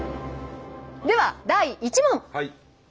では第１問。